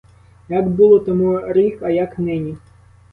Як було тому рік, а як нині?